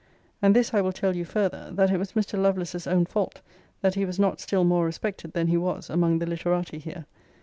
And this I will tell you further, that it was Mr. Lovelace's own fault that he was not still more respected than he was among the literati here.